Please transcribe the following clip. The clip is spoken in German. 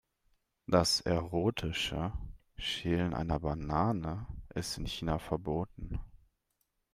Das erotische Schälen einer Banane ist in China verboten.